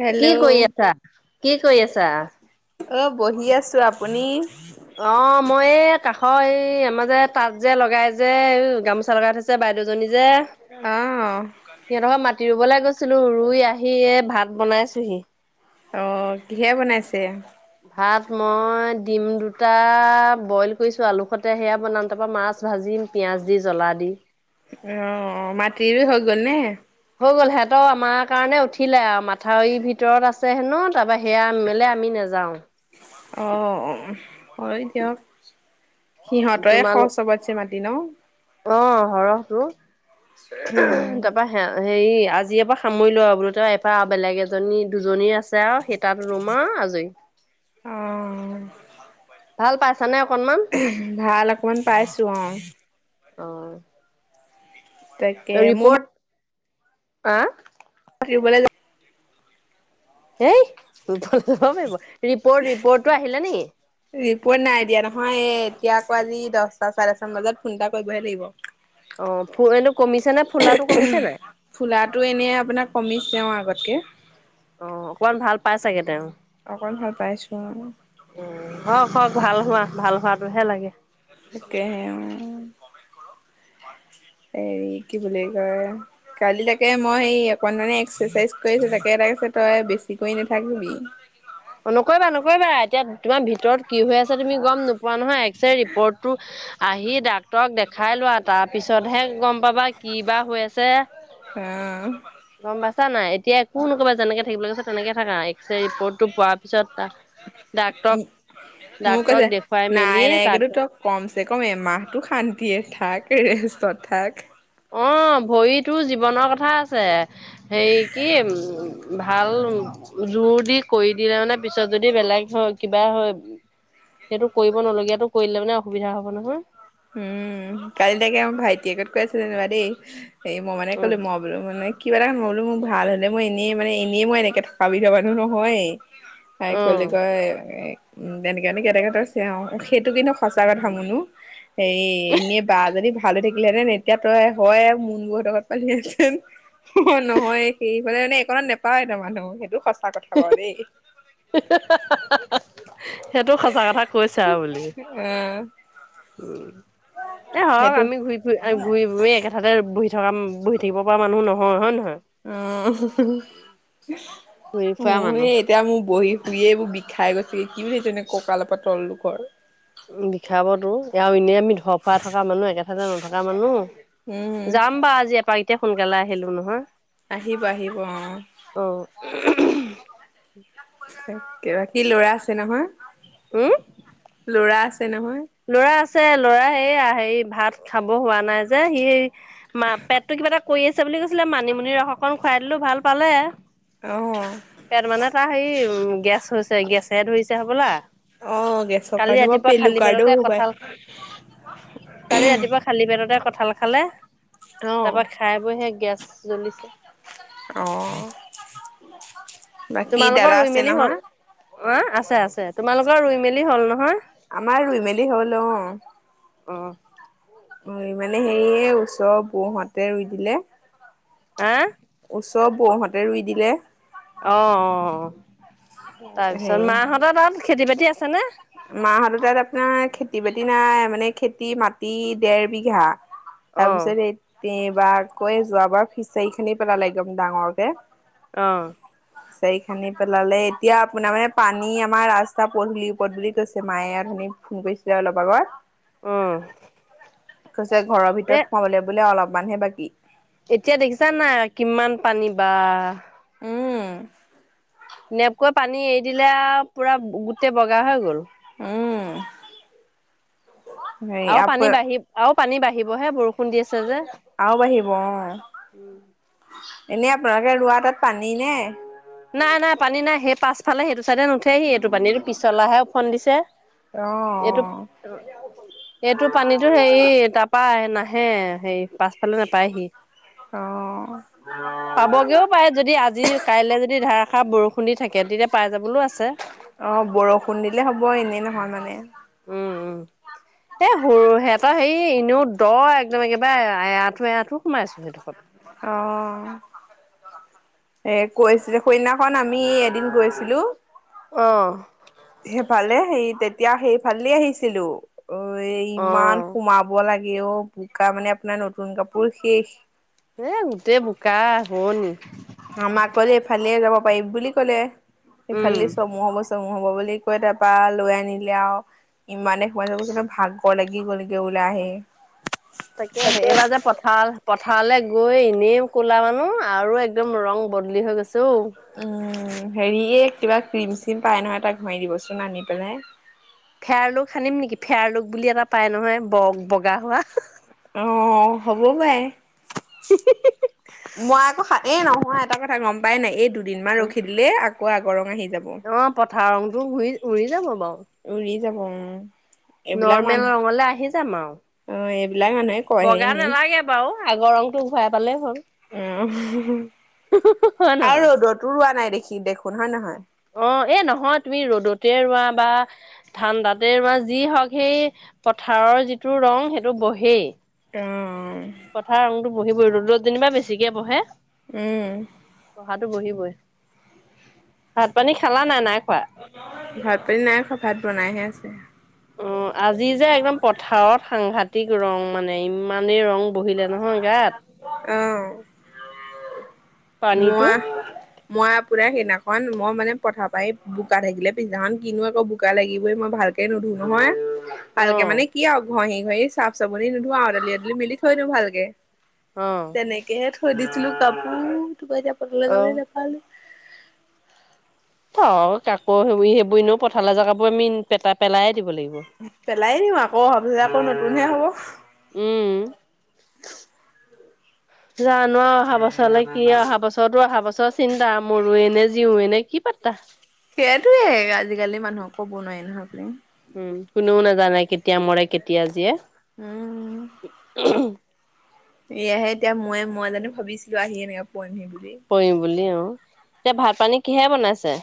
Hello কি কৰি আছা? কি কৰি আছা? অ, বহি আছো। আপুনি? অ, মই এ কাষ এই আমা যে তাঁত যে লগাই যে। গামোচা লগাই থৈছ বাইদউজনী যে। অ। সিহঁত পা মাটি ৰুবলে গৈছিলো। ৰুই আহি এ ভাত বনাইছোহি। অ। কিহে বনাইছে? ভাত মই ডিম দুটা বইল কৰিছো, আলু সতে। সেয়া বনাম তাপা মাছ ভাজিম। পিঁয়াজ দি জ্বলা দি। অ। মাটি ৰুই হৈ গ'ল নে? হৈ গ'ল সেত আমাৰ কাৰণে উঠিলে আও। মাথাউৰি ভিতৰত আছে হেনো তাপা সেয়া মেলে আমি নেযাওঁ। অ। হয় দিয়ক। সিহঁতৰে তোমালোক খৰচ হ'ব। ছে মাটি ন? অ সৰহ তো। উম তাপা হেৰি আজিয়ে পা সামৰি লোৱা বোলো। তই, এপা বেলেগ এজনী দুজনীৰ আছ ছে আৱ সেই তাত ৰুম আও আজৰি। অ। ভাল পাইছ নে অকণমান? ভাল অকমান পাইছো অ। অ। তাকে মোৰ ৰিপৰ্ট। আ। [unintelligible] এই। [unintelligible] ৰিপৰ্ট ৰিপৰ্টটো আহিলে নেকি? ৰিপৰ্ট নাই দিয়া নহয়। এ এতিয়া আকৌ আজি দচটা চাৰে দচটা মান বজাত ফোন এটা কৰিবহে লাগিব। অ ফু এইটো কমিছে নে? ফুলাটো কমিছে নাই? ফুলাটো এনেই আপোনা কমিছেওঁ আগতকে। অ, অকমান ভাল পাই চাগে তেওঁ? অকণ ভাল পাইছোঁ, অ। উম। হওক হওক। ভাল হোৱা। ভাল হোৱাটোহে লাগে। তাকেহে অ। হেৰি কি বুলি কয়? কালি তাকে মই সেই অকণমানে এক্সাচাইজ কৰিছোঁ। তাকে তাকেছে তই বেছি কৰি নাথাকিবি। অ নকৰিবা নকৰিবা। এতিয়া তোমাৰ ভিতৰত কি হৈ আছে তুমি গম নোপোৱা নহয়। ছে ৰিপৰ্টটো আহি ডাক্তৰক দেখাই লোৱা। তাৰ পিছতহে গম পাবা? কি বা হৈ আছে? অ' গম পাইছা নাই? এতিয়া একো নকৰিবা যেনেকে থাকিবলে কৈছে তেনেকে থাকা। এক চে ৰিপৰ্টটো পোৱাৰ পিছত ডাক্তৰক মোক কৈছে ডাক্তৰক দেখুৱাই নাই মেলি নাই কিন্তু তাপিছত তই কম চে কম এমাহটো শান্তিয়ে থাক ৰেষ্টত থাক। অ ভৰিতো জীৱনৰ কথা আছে, সেই কি ওম ভাল জোৰ দি কৰি দিলে মানে পিছত যদি বেলেগ হয় কিবা হয় সেইটো কৰিব নলগীয়াটো কৰি দিলে মানে অসুবিধা হব নহয়। উম কাইল দেখে এও ভাইটিয়েকত কৈ আছিল যেনিবা দেই, সেই মই মানে উম কলো ম বোলো মানে কিবা এটা ন বো মোৰ ভাল হ'লে মই এনেই মানে এনেই মই এনেকে থকা বিধৰ মানুহ নহয়ে। [unintelligible] তাইক উম ক'লে কয় এ তেনেকে এদেকে তই চেৰাওঁ সেইটো কিন্তু সঁচা কথা মুনু। হেৰি এনেই বা যদি ভাল হৈ থাকিলেহেতেন এতিয়া তই হয় মুনুহতৰ ঘত পালি হেতেন। অ নহয় সেইফালে মানে একণাত নোপায় ত মানুহ সেইটো সঁচ সেইটো সঁচা কথা কৈছে আও বুলি। এয়াহ। উম এ হওক সেইটো আমি ঘূৰি ফুৰি এ ঘূৰি বুৰি একে হঠাতে বহি থকা বহি থাকিব পৰা মানুহ নহয় হয় নে নহয়? অ ঘূৰি ফুৰা মোৰ মানুহ এই এতিয়া মোৰ বহি শুই এইবোৰ বি খাই গৈছেগে, কি বুলি ভাবিছ কঁকালৰ পৰা তল দখৰ। উ বিষাবটো এয়াও এনেই আমি ধৰ ফৰা থকা মানুহ একে ঠাইতে নথকা মানুহ। উম যাম বা আজি এপাক এতিয়া সোনকালে আহিলো নহয়। আহিব আহিব অ। অ। কিবা কি ল'ৰা আছে নহয়? উম? ল'ৰা আছে নহয়? ল'ৰা আছে ল'ৰা সেয়া সেই ভাত খাব হোৱা নাই যে সি মা পেটটো কিবা এটা কৰি আছে বুলি কৈছিলে মানিমুনি ৰস অকন খুৱাই দিলো ভাল পালে। অ। পেট মানে তাৰ হেৰি উম গেছ হৈছে গেছে ধৰিছে হবলা। অ', গেছৰ কালি কাৰ্ডো বা ৰাতিপুৱা পেলু খালি কাৰ্ডো পেটতে সোমাই। কঠাল কালি ৰাতিপুৱা শালি পেটতে কঁঠাল খালে তাৰ অ', পৰা খাই বৈহে গেছ জ্বলিছে। অ বাকী তোমালোকৰ দাদা ৰুই আছে মেলি হ'ল নহয়? অ আছে আছে। তোমালোকৰ ৰুই মেলি হল নহয়? আমাৰ ৰুই মেলি হ'ল অ। অ। উ মানে হেৰিয়ে ওচৰৰ বৌহতে ৰুই দিলে। আহ? ওচৰ বৌহঁতে ৰুই দিলে। অ অ তাৰপিছত হেৰি মাহঁত তাত খেতি বাতি আছেনে? মাহঁত তাত আপোনাৰ খেতি বাতি নাই মানে খেতি মাটি দেৰ বিঘা। অ তাৰ পিছত এতিবাৰকৌ যোৱাবাৰ ফিচাৰি খানি পেলালে একদম ডাঙৰকে। অ। চায়ি খানি পেলালে এতিয়া আপোনাৰ মানে পানী আমাৰ ৰাস্তা পদূলি পদ বুলি কৈছে মায়ে ইয়াত শুনি ফোন কৰিছিলে অলপ আগত। অ কৈছে ঘৰৰ এ ভিতৰত সোমাবলে বোলে অলপমানহে বাকী। এতিয়া দেখিছা নাই কিমান পানী বা উম। নেপকোৱে পানী এৰি দিলে আৰু, পুৰা গোটেই বগা হৈ গ'ল। উম। হেৰি আৰু আপ পানী বাঢ়ি, আৰু পানী বাঢ়িবহে বৰষুণ দি আছে যে। আৰু বাঢ়িব, অ'। এনেই আপোনালোকে ৰোৱা তাত পানী নে? নাই, নাই পানী নাই। সেই পাছফালে সেইটো চাইডে নুঠেহি এইটো পানী, এইটো পিছলাহে ওফন্দিছে। অহ, এইটো অ'। এইটো পানীতো হেৰি, তাৰপৰা নাহে, হেৰি পাছ পাছফালে নাপায়হি। অ অ পাবগেও পাৰে, যদি আজি কাইলৈ যদি যদি ধাৰষাৰ বৰষুণ দি থাকে, তেতিয়া পাই যাবলৈও আছে। অ' বৰষুণ দিলে হ'ব, এনেই নহয় মানে। উম উম। এ, সৰু সিহঁতৰ হেৰি, এনেও দ একদম একেবাৰে এআঠু, এআঠু সোমাইছে। [unintelligible] অ', এ কৈছিলে, সেইদিনাখন আমি এদিন গৈছিলোঁ। অ', সেইফালে সেই তেতিয়া, সেইফালেদি আহিছিলোঁ। অ', এ, ইমান অ'। সোমাব লাগে অ', বোকা মানে আপোনাৰ নতুন কাপোৰ শেষ। এ, গোটেই বোকা হ'ল। আমাক ক'লে, এইফালেদি যাব পাৰিম বুলি ক'লে, উম। এইফালেদি চমু হ'ব চমু চমু হ'ব বুলি কৈ তাৰপৰা, লৈ আনিলে আৰু ইমানে সোমাই যাব লাগে, কি ভাগৰ লাগি গ'ল এতিয়া ওলাই আহি। তাকে, হেৰি এইবাৰ যে, পথাৰ পথাৰলে গৈ এনেই ক'লা হ'লো আৰু একদম ৰং বদলি হৈ গৈছে ঔ। উম, হেৰি, এই কিবা ক্ৰীম- চিম পাই নহয় এটা ঘহি দিবচোন আনি পেলাই। ফেয়াৰলোক সানিম নেকি? ফেয়াৰলোক বুলি এটা পাই নহয় ব- বগা হোৱা। অ', হ'ব পাৰে। মই আকৌ সানি এই নহয়, এটা কথা গম পাই নে নাই এই দুদিনমান ৰখি দিলেই, আকৌ আগৰ ৰং আহি যাব। অ পথাৰ ৰংটো ঘূৰি ঘূৰি যাব বাৰু। উৰি যাব উম। এইবিলাক নৰ্মেল মানুহ ৰ'ঙলে আহি যাম আৰু। অ' এইবিলাক মানুহে ক বগা নালাগে বাৰু, আগৰ ৰংটো ঘূৰাই পালেই হ'ল। উম, হয় আৰু নহয় ৰ'দতো ৰোৱা নাই দেখি দেখোন, হয় নে নহয়? অ', এ নহয়, তুমি ৰ'দতে ৰুৱা বা ঠাণ্ডাতে ৰুৱা যিহওঁক, সেই পথাৰৰ যিটো ৰং সেইটো বহেই। অ', পথাৰৰ ৰংটো বহিবই, ৰ'দত যেনিবা বেছিকে বহে। উম। বহাটো বহিবই। ভাত- পানী খালা নাই, নাই খোৱা? ভাত- পানী নাই খোৱা। ভাত বনাইহে আছে। অ', আজি যে একদম পথাৰত সাংঘাতিক ৰং মানে, ইমানেই ৰং বহিলে নহয় গাত। উম, পানীটো মই আহ মই আপোনাৰ সেইদিনাখন, মই মানে পথাৰৰ পৰা এ বোকা থাকিলে পিছদিনাখন, কিনো আকৌ, বোকা লাগিবই। মই ভালকে এ নোধোও নহয়। অ ভালকে মানে কি আঔ ঘঁহি-ঘঁহি চাফ-চাবুনি নুধু আঔ এদালি-এদালি মেলি থৈ দিওঁ ভালকে। অঁ এনেকেহে থৈ দিছিলো কাপোৰ- কিপা যে পথালে অ যাবলে নেপালোঁ‌। থ' কাকো সেবু সেইবোৰ নো পথাৰলে জেগাবোৰ মিন পেটা পেলায়ে দিব লাগিব। পেলাই দিওঁ আক নহ‌লে আকৌ নতুনহে হ'ব। উম্' জা-নো অহা বছৰলে কি অহা বছ- ততো অহা বছৰ চিন্তা, মৰু এনে জিউ নে কি পাত্তা। সেইটোয়েই আজিকালি মানুহক ক'ব নোৱাৰি নহয় কোনো। উম, কোনেও নাজানে কেতিয়া মৰে কেতিয়া জিয়ে। উম্ [unintelligible] এয়াহে এতিয়া ময়ে, মই জানো ভাবিছিলো আহি এনেকা পুৱামহি বুলি! কৰিম বুলি অ'। এতিয়া ভাত-পানী কিহে বনাইছে?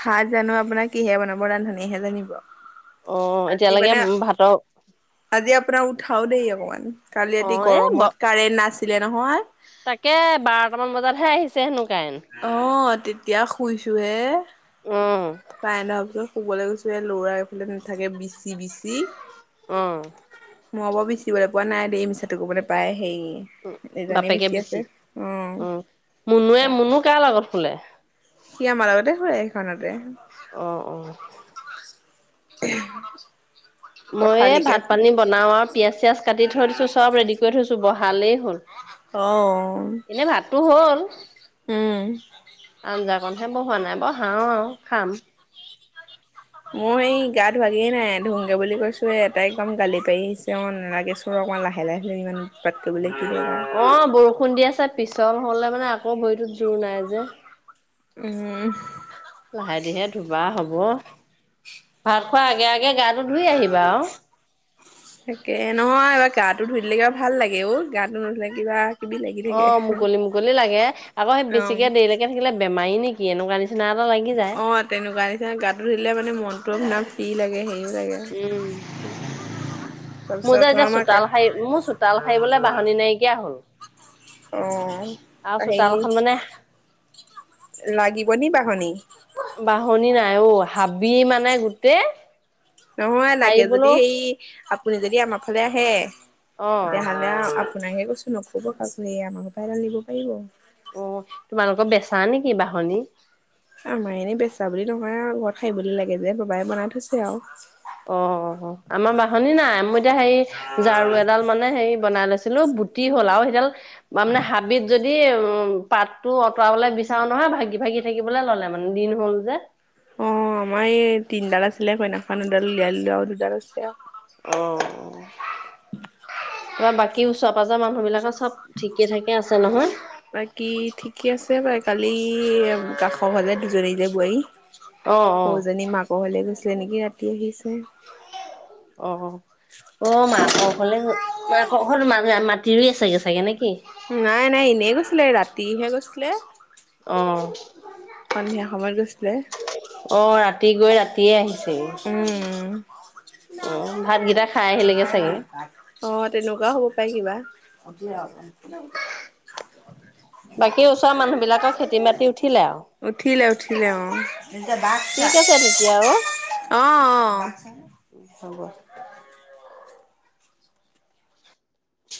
ভাত জানো আপোনাৰ কিহে বনাব ৰান্ধনিয়েহে জানিব। অ্ঁ আজি এতিয়ালেকে মানে ভাতৰ আজি আপোনাৰ উঠাও দেৰী অকমান, কালি অ ৰাতি এ ব গৰমত কাৰেণ্ট নাছিলে নহয়। তাকে বাৰটামান বজাতহে আহিছে হেনো কায়েন্ট। অ্ঁ তেতিয়া শুইছো হে। অ কাৰেন্ট অহা পিছত শুবলে গৈছো এ ল'ৰা এফালে নেথাকে বিচি-বিচি অ' মই বা বিচিবলে পোৱা নাই দেই মিছাটো ক'ব নেপাই হেই এজনে বিচি আছে, অঁ। মুনুুৱে, মুনু কাৰ লগত শুলে? সি আমাৰ লগতে শুয়ে এইখনতে। অ অঁ। [unintelligible] মই এই পথালিকে শু ভাত-পানী বনাও আউ- পিয়াঁজ-চিয়াজ কাটি থৈ দিছো, চব ৰেডি কৰি থৈছো বহালেই হ'ল। অ্'। এনে ভাতটো হ'ল উম'। আঞ্জাকণহে বহোৱা নাই বাউ- হাও আৰু খাম। মোৰ এই গা ধুৱাগেই নাই ধুংগে বুলি কৈছো এ- তাই একদম গালি পাৰি আহিছে মই নেলাগেছ ৰ' অকণমান লাহে-লাহে ইমান উৎপাত কৰিবলৈ কি বাৰু! অ' বৰষুণ দি আছে পিছল হ'লে মানে আকৌ ভৰিটোত জোৰ নাই যে। উম্ লাহে ধিৰে ধুবা হ'ব! ভাত খোৱা আগে-আগে গা [unintelligible] তাকে, নহয় এবা গাটো ধুই দিলে কিবা ভাল লাগে অ' গাটো নুধুলে কিবা কিবি লাগি থাকে অ' মুকলি মুকলি লাগে, আকৌ সেই অ বেছিকে দেৰিলৈকে থাকিলে বেমাৰী নেকি এনেকুৱা নিচ- চিনা এটা লাগি যায়। অ তেনেকুৱা নিচিনা গাটো ধুই দিলে মানে মনটো আপোনাৰ ফ্ৰী লাগে হেৰিও লাগে- উম' মোৰ তাৰপিছত যে এতিয়া আমাক চোতাল সাই- মো চোতাল সাৰিবলে বাহনি নাইকিয়া হ'ল। অ্', আৰু অ হেয়ি চোতালখন মানে লাগিব নি বাঁহনী? বাঁহনী নাইও হাবি মানে গোটেই নহয় লাগে যদি সাৰিবলৈও সেই আপুনি যদি আমাৰ ফালে আহে অঁ [unintelligible] অ তোমালোকৰ বেচা নেকি বাঁহনী? আমাৰ এনেই বেচা বুলি নহয় আৰু ঘৰত সাৰিবলৈ বুলি লাগে যে বাবাই বনাই থৈছে আৰু। অ আমাৰ বাঁহনী নাই মই এতিয়া হেৰি ঝাৰু এডাল মানে হেৰি বনাই লৈছিলো বুটি হ'ল আৰু সিডাল মানে হাবিত যদি এ উম পাতটো অঁতৰাবলৈ বিচাৰো নহয় ভাগি ভাগি থাকিবলৈ ললে মানে দিন হ'ল যে। অ আমাৰ এই তিনডাল আছিলে সৈইদিনাখন এডাল উলিয়াই দিলোঁ আৰু দুডাল আছে আৰু। [unintelligible] বাকী ওচৰ-পাজৰ মানুহ বিলাকৰ চব ঠিকে থাকে আছে নহয়? [unintelligible] সৰুজনী মাকৰ ঘৰলে অ', অ', গৈছিলে নেকি ৰাতি আহিছে। অ অ মাকঘৰলে গ'ল মাকঘৰত মা তি ৰুই আছে চাগে নে কি? নাই নাই এনেই গৈছিলে ৰাতিহে গৈছিলে। অঁ সন্ধিয়া সময়ত গৈছিলে। অ ৰাতি গৈ ৰা তিয়ে আহিছেগে, উম। অ ভাতকেইটা খাই আহিলেগে চাগে? অ তেনেকুৱাও হ'ব পাৰে কিবা। বাকী ওচৰৰ মানুহ বিলাকৰ খেতি-মাটি উঠিলে আৰু? উঠিলে উঠিলে অ। [unintelligible] ঠিক আছে তেতিয়া অ। অ অ [unintelligible]